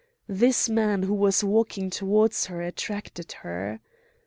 This man who was walking towards her attracted her.